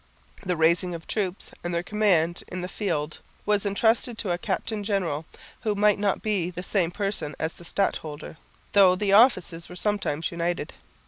The raising of troops and their command in the field was entrusted to a captain general, who might not be the same person as the stadholder, though the offices were sometimes united.